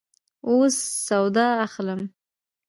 اوس سودا اخلو